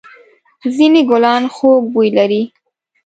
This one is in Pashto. ځېنې گلان خوږ بوی لري.